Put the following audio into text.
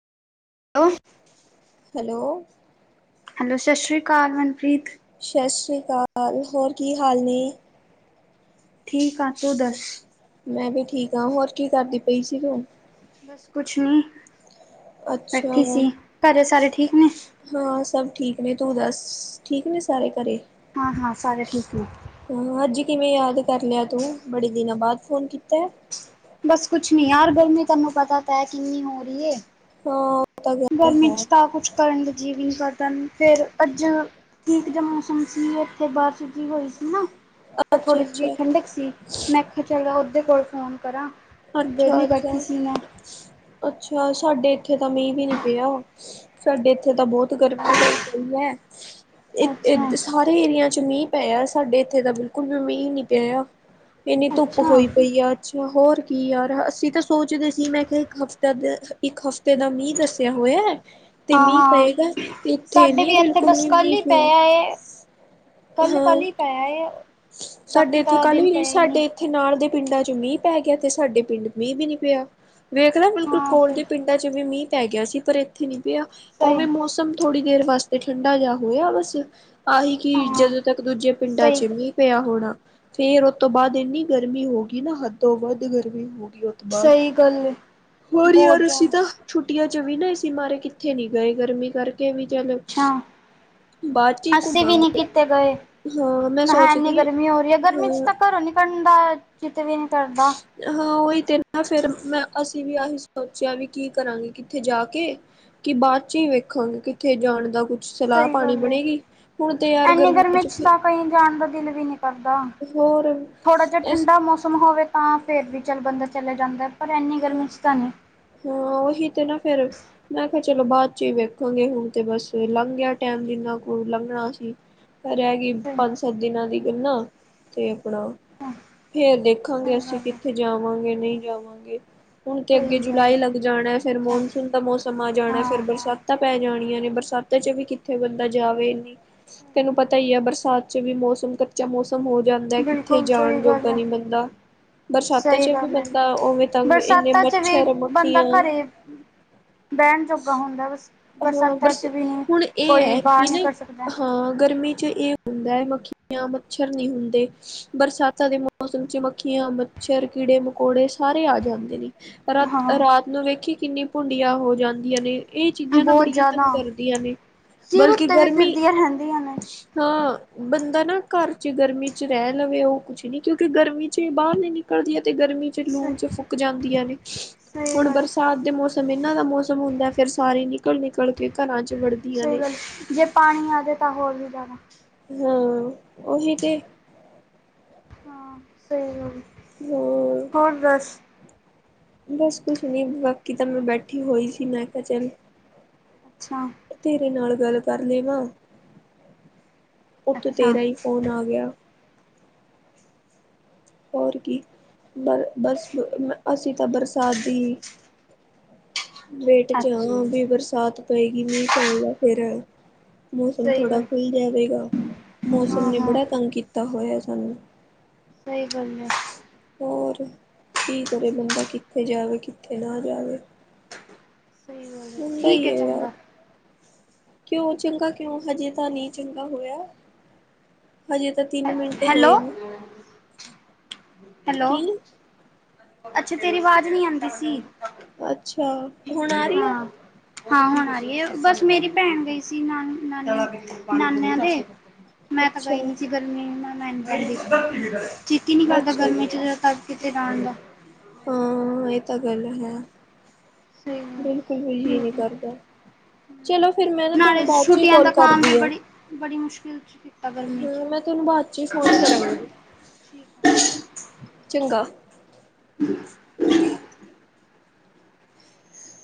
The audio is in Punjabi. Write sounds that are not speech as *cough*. ਆਂਹ। ਹੈਲੋ! ਹੈਲੋ, ਸ਼ਸ਼੍ਰੀ ਕਾਲ ਮਨਪ੍ਰੀਤ। ਸ਼ਸਰੀ ਕਾਲ, ਹੋਰ ਕੀ ਹਾਲ ਨੇ? ਠੀਕ ਆ, ਤੂੰ ਦੱਸ। ਮੈਂ ਵੀ ਠੀਕ ਆ ਹੋਰ ਕੀ ਕਰਦੀ ਪਈ ਸੀ ਤੂ। ਬਸ ਕੁਛ ਨੀ ਅੱਛਾ, ਬੈਠੀ ਸੀ ਕਰੇ ਸਾਰੇ ਠੀਕ ਨੇ। ਹਾਂ ਸਭ ਠੀਕ ਨੇ ਤੂੰ ਦੱਸ ਠੀਕ ਨੇ ਸਾਰੇ ਕਰੇ। ਹਾਂ-ਹਾਂ ਸਾਰੇ ਠੀਕ ਨੇ। ਹ ਅੱਜ ਕਿਵੇਂ ਯਾਦ ਕਰ ਲਿਆ ਤੂੰ ਬੜੇ ਦਿਨਾਂ ਬਾਦ ਫੋਨ ਕੀਤਾ। ਬਸ ਕੁਛ ਨੀ ਯਾਰ ਗਰਮੀ ਤੁਹਾਨੂੰ ਪਤਾ ਤਾ ਐ ਕਿੰਨੀ ਹੋ ਰੀ ਏ। ਹਾਂ। ਤਾਂ ਗੱਲ ਗਰਮੀ ਹੈ, ਚ ਤਾਂ ਕੁਛ ਕਰਨ ਦਾ ਜੀ ਵੀ ਨੀ ਕਰਦਾ ਫੇਰ ਅੱਜ ਠੀਕ ਜਾ ਮੌਸਮ ਸੀ ਇੱਥੇ ਬਾਰਿਸ਼ ਜੀ ਹੋਈ ਸੀ ਨਾ। ਤਾਂ ਥੋੜ੍ਹੀ ਜੀ ਅੱਛਾ-ਅੱਛਾ, ਅੱਛਾ-ਅੱਛਾ। ਠੰਡਕ ਸੀ ਮੈਂ ਚਲ ਓਦੇ ਕੋਲ ਫੋਨ ਕਰਾਂ। ਵੇਲੀ ਬੈਠੀ ਅੱਛਾ, ਸੀ ਮੈਂ। ਅੱਛਾ ਸਾਡੇ ਇੱਥੇ ਤਾਂ ਮੀਂਹ ਵੀ ਨੀ ਪਿਆ। ਸਾਡੇ ਇੱਥੇ ਤਾਂ ਬੋਹਤ ਗਰਮੀ ਹੋਈ ਪਈ ਐ। ਅੱਛਾ ਏ-ਏ ਸਾਰੇ ਏਰੀਆ ਚ ਮੀਂਹ ਪੈਆ ਸਾਡੇ ਇੱਥੇ ਦਾ ਬਿਲਕੁਲ ਵੀ ਮੀਂਹ ਨੀ ਪਿਆ। ਇੰਨੀ ਧੁੱਪ ਅੱਛਾ ਹੋਈ ਪਈ ਆ ਅੱਛਾ ਹੋਰ। ਕੀ ਯਾਰ ਅਸੀਂ ਤਾਂ ਸੋਚਦੇ ਸੀ ਮੈਂ ਕਿਆ ਇੱਕ ਹਫਤਾ ਦੇ ਇੱਕ ਹਫ਼ਤੇ ਦਾ ਮੀਂਹ ਦੱਸਿਆ ਹੋਇਆ। ਤੇ ਮੀਂਹ ਹਾਂ-ਹਾਂ ਪਏਗਾ ਇੱਥੇ ਸਾਡੇ ਨੀ ਵੀ ਇੱਥੇ ਬਿਲਕੁਲ ਬਸ ਵੀ ਕੱਲ ਮੀਂਹ ਈ ਪਿਆ ਪਏਆ ਏ। ਹਾਂ ਕੱਲ-ਕੱਲ ਈ ਪੈਆ ਏ। ਸਾਡੇ ਇੱਥੇ ਕੱਲ ਵੀ ਨੀ ਸਾਡੇ ਇਥੇ ਨਾਲ ਦੇ ਪਿੰਡਾਂ ਚ ਮੀਂਹ ਪੈ ਗਿਆ ਤੇ ਸਾਡੇ ਪਿੰਡ ਮੀਂਹ ਵੀ ਨੀ ਪਿਆ ਵੇਖਦਾ ਬਿਲਕੁਲ ਹਾਂ ਕੋਲ ਫਿਰ ਦੇ ਪਿੰਡ ਚ ਮੀਂਹ ਪੈ ਗਿਆ ਸੀ ਪਰ ਏਥੇ ਨੀ ਪਿਆ ਸਹੀ ਉਵੇਂ ਮੌਸਮ ਥੋੜ੍ਹੀ ਦੇਰ ਵਾਸਤੇ ਠੰਡਾ ਜਾ ਹੋਇਆ ਬਸ ਆਹੀ ਕਿ ਹਾਂ ਜਦੋਂ ਤੱਕ ਦੂਜੇ ਪਿੰਡਾਂ ਚ ਸਹੀ ਮੀਂਹ ਪਿਆ ਹੋਣਾ ਫੇਰ ਓਤੋਂ ਬਾਦ ਇੰਨੀ ਗਰਮੀ ਹੋ ਗਈ ਨਾ ਹੱਦੋ ਵੱਧ ਗਰਮੀ ਹੋ ਗਈ। ਬਾ ਸਹੀ ਗੱਲ ਹੈ ਹੋਰ ਹੀ ਯਾਰ ਬਹੁਤ ਰ ਅਸੀਂ ਜ਼ਿਆਦਾ ਤਾ ਛੁੱਟੀਆ ਚ ਵੀ ਨਾ ਇਸੀ ਮਾਰੇ ਕਿੱਥੇ ਨੀ ਗਏ ਗਰਮੀ ਕਰ ਵੀ ਚਲ ਅੱਛਾ ਬਾਦ ਚ ਈ ਅਸੀਂ ਵੀ ਨਹੀਂ ਘੁੰਮਾਂਗੇ ਕਿਤੇ ਗਏ ਹਾਂ ਮੈਂ ਕਿਹਾ ਸੋਚ ਇੰਨੀ ਗਰਮੀ ਹੋ ਰਹੀ ਐ, ਗਰਮੀ ਚ ਤਾਂ ਕਰੋਂ ਨੀ ਨਿਕਲ ਦਾ ਚਿਤ ਵੀ ਨੀ ਕਰਦਾ। ਹਾਂ ਓਹੀ ਤੇ ਨਾ ਫੇਰ ਮੈਂ ਅਸੀਂ ਵੀ ਆਹੀ ਸੋਚਿਆ ਵੀ ਕੀ ਕਰਾਂਗੇ ਕਿੱਥੇ ਜਾ ਕੇ। ਕਿ ਬਾਦ ਚ ਹੀ ਵੇਖਾਂਗੇ ਕਿੱਥੇ ਜਾਣ ਦਾ ਕੁ ਸਈ ਗੱਲ ਏ, ਐੰਨੀ ਗਰਮੀ ਚ ਤਾਂ ਕਈ ਜਾਣ ਦਾ ਦਿਲ ਵੀ ਨੀ ਕਰਦਾ। ਹੋਰ ਥੋੜਾ ਜਾ ਇਸ ਠੰਡਾ ਮੌਸਮ ਹੋਵੇ ਤਾਂ ਫੇਰ ਵੀ ਚੱਲ ਬੰਦਾ ਚਲੇ ਜਾਂਦਾ ਪਰ ਇੰਨੀ ਗਰਮੀ ਚ ਤਾਂ ਨੀ। ਹਾਂ ਉਹੀ ਤੇ ਨਾ ਫੇਰ ਮੈਂ ਕਿਆ ਚਲੋ ਬਾਅਦ ਚ ਵੇਖੋਗੇ ਹੁਣ ਤੇ ਬਸ ਲੰਘ ਗਿਆ ਟੈਮ ਜਿਨਾ ਕੂ ਲੰਘਣਾ ਸੀ। *unintelligible* ਸਹੀ ਪੰਜ-ਸੱਤ ਦਿਨਾਂ ਦੀ ਗੱਲਾ ਤੇ ਆਪਣਾ ਫੇਰ ਦੇਖਾਂਗੇ ਸਹੀ ਅਸੀਂ ਗੱਲ ਹੈ ਕਿੱਥੇ ਜਾਵਾਂਗੇ ਨਈ ਜਾਵਾਂਗੇ ਹੁਣ ਤੇ ਅੱਗੇ ਸਹੀ ਗੱਲ ਜੁਲਾਈ ਹੈ ਲੱਗ ਜਾਣਾ ਫੇਰ ਅੱਛਾ ਮੌਨਸੂਨ ਦਾ ਮੌਸਮ ਆ ਜਾਣਾ ਫੇਰ ਹਾਂ ਹਾਂ ਬਰਸਾਤਾਂ ਪੈ ਜਾਣੀਆਂ ਨੇ ਬਰਸਾਤਾਂ ਚ ਵੀ ਕਿ ਥੇ ਬੰਦਾ ਜਾਵੇ ਨੀ ਸਹੀ ਤੈਨੂੰ ਗੱਲ ਹੈ ਪਤਾ ਈ ਐ ਬਰਸਾਤ ਚ ਵੀ ਮੌਸਮ ਕੱਚਾ ਮੌਸ ਖਤਮ ਹੋ ਜਾਂਦਾ ਕਿੱਥੇ ਬਿਲਕੁਲ ਸਹੀ ਜਾਣ ਗੱਲ ਜੋਗਾ ਹੈ ਨੀ ਬੰਦਾ ਬਰਸਾਤਾਂ ਸਹੀ ਚ ਵੀ ਗੱਲ ਹੈ ਬੰਦਾ ਉਵੇਂ ਤੰਗ ਇੰਨੇ ਬਰਸਾਤਾਂ ਚ ਵੀ ਮੱਛਰ ਬੰਦਾ ਮੱਖੀਆਂ ਖਰੇ ਬੇਨ ਜੋਗਾ ਹੁੰਦਾ ਬਸ। ਹਾਂ ਬਰਸਾਤਾਂ ਬਸ ਚ ਵੀ ਨਹੀਂ ਹੁਣ ਏ ਕੋਈ ਐ ਬਾਹਰ ਵੀ ਨਹੀਂ ਨਈ ਕਰ ਸਕਦਾ ਹਾਂ ਗਰਮੀ ਚ ਏ ਹੁੰਦਾ ਐ ਮੱਖੀਆਂ, ਮੱਛਰ ਨੀ ਹੁੰਦੇ। ਬਰਸਾਤਾਂ ਦੇ ਮੌਸਮ ਚ ਮੱਖੀਆਂ, ਮੱਛਰ ਕੀੜੇ, ਮਕੌੜੇ ਸਾਰੇ ਆ ਜਾਂਦੇ ਨੇ। ਹਾਂ ਰਾਤ-ਰਾਤ ਨੂੰ ਵੇਖੀ ਕਿੰਨੀ ਭੁੰਡੀਆਂ ਹੋ ਜਾਂਦੀਆਂ ਨੇ ਏ ਚੀਜ਼ਾਂ ਨਾ ਬਹੁਤ ਬੜੀਆਂ ਜ਼ਿਆਦਾ ਤੰਗ ਕਰਦੀਆਂ ਨੇ ਸਿਰ ਬਲਕਿ ਉੱਤੇ ਵੀ ਗਰਮੀ ਫਿਰਦੀਆਂ ਰਹਿੰਦੀਆਂ ਨੇ ਹਾਂ ਬੰਦਾ ਨਾ ਘਰ 'ਚ ਗਰਮੀ 'ਚ ਰੈ ਲਵੇ ਓ ਕੁਛ ਨੀ ਕਿਉਂਕਿ ਗਰਮੀ 'ਚ ਬਾਰ ਨੀ ਨਿਕਲਦੀ ਤੇ ਗਰਮੀ ਸ ਲੂ 'ਚ ਫੁਕ ਜਾਂਦੀਆਂ ਨੇ ਸਹੀ ਹੁਣ ਗੱਲ ਬਰਸਾਤ ਦੇ ਮੌਸਮ ਇਨਾਂ ਦਾ ਮੌਸਮ ਹੁੰਦਾ ਫਿਰ ਸਾਰੇ ਨਿਕਲ-ਨਿਕਲ ਕੇ ਘਰਾਂ 'ਚ ਵੜ ਸਈ ਗੱਲ ਏ ਜੇ ਪਾਣੀ ਆ ਜੇ ਤਾਂ ਹੋਰ ਵੀ ਜਾਦਾ ਹਾਂ ਓਹੀ ਤੇ ਹਾਂ ਸਈ ਗੱਲ ਹੋਰ ਹੋਰ ਦੱਸ। ਬਸ ਕੁਛ ਨੀ ਬਾਕੀ ਤਾਂ ਮੈਂ ਬੈਠੀ ਹੋਈ ਸੀ ਮੈਂ ਕਿਆ ਚੱਲ ਅੱਛਾ ਤੇਰੇ ਨਾਲ ਗੱਲ ਕਰ ਲੇਵਾਂ ਉੱਤੋਂ ਅੱਛਾ ਤੇਰਾ ਈ ਫੋਨ ਆ ਗਿਆ। ਹੋਰ ਕੀ ਬ-ਬਸ ਬ-ਅ-ਅਸੀ ਤਾਂ ਬਰਸਾਤ ਦੀ ਵੇਟ 'ਚ ਅੱਛਾ ਹਾਂ ਵੀ ਬਰਸਾਤ ਪਏਗੀ ਮੀਂਹ ਪਏਗਾ ਫਿਰ ਮੌਸਮ ਸਹੀ ਥੋੜ੍ਹਾ ਗੱਲ ਖੁੱਲ ਜਾਵੇਗਾ ਮੌਸਮ ਹਾਂ ਨੇ ਹਾਂ ਬੜਾ ਤੰਗ ਕੀਤਾ ਹੋਇਆ ਸਾਨੂੰ ਸਈ ਗੱਲ ਐ। ਹੋਰ ਕੀ ਕਰੇ ਬੰਦਾ ਕਿੱਥੇ ਜਾਵੇ ਕਿੱਥੇ ਨਾ ਜਾਵੇ। ਸਈ ਗੱਲ ਐ ਹੁੰਦਾ ਠੀਕ ਹੀ ਏ ਹੈ ਯਾਰ ਚੰਗਾ ਕਿਉਂ ਚੰਗਾ ਕਿਉਂ ਹਜੇ ਤਾਂ ਨਈ ਚੰਗਾ ਹੋਇਆ। ਹਜੇ ਤਾਂ ਤਿੰਨ ਮਿੰਟ ਹੋਏ ਹੈਲੋ ਨੇ। ਹੈਲੋ ਕੀ ਅੱਛਾ ਤੇਰੀ ਵਾਜ਼ ਨੀ ਆਂਦੀ ਸੀ। ਅੱਛਾ ਹੁਣ ਆ ਰਹੀ ਹੈ ਹਾਂ-ਹਾਂ ਹੁਣ ਆ ਰੀ ਏ ਬਸ ਮੇਰੀ ਭੈਣ ਗਈ ਸ ਸੀ ਨਾਨ-ਨਾਨੀ-ਨਾਨਿਆਂ ਦੇ ਮੈਂ ਤਾਂ ਅੱਛਾ ਗਈ ਨੀ ਜੀ ਗਰਮੀ ਏ ਨਾ ਮੈਂ-ਮੈਂ ਨੀ ਜਾਂਦੀ ਚਿੱਤ ਈ ਨੀ ਕਰਦਾ ਅੱਛਾ ਗਰਮੀ 'ਚ ਜਦੋਂ ਤਕ ਕਿਥੇ ਜਾਣ ਦਾ ਹਾਂ ਏ ਤਾਂ ਗੱਲ ਹੈ। ਸਹੀ ਬਿਲਕੁਲ ਵੀ ਜੀ ਨਈ ਬਿਲਕੁਲ ਕਰਦਾ ਚਲੋ ਫਿਰ ਮੈਂ ਨਾ ਨਾਲੇ ਤਾਨੂੰ ਬਾਦ 'ਚ ਈ ਛੁੱਟੀਆਂ ਦਾ ਕਾੱਲ ਕੰਮ ਵੀ ਕਰਦੀ ਆਂ। ਬੜੀ ਬੜੀ ਮੁਸ਼ਕਿਲ 'ਚ ਕੀਤਾ ਗਰਮੀ ਹੂੰ ਚ ਮੈਂ ਤਾਨੂੰ ਬਾਦ 'ਚ ਈ ਫੋਨ ਕਰਾਂਗੀ ਠੀਕ ਆ। ਚੰਗਾ *inaudible*